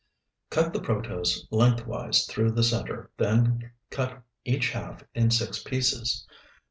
Cut the protose lengthwise through the center, then cut each half in six pieces.